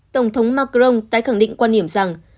tổng thống macron tái khẳng định quan điểm rằng